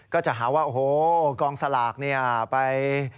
ก็จะหาว่าโอ้โหกองสลากเนี่ยไป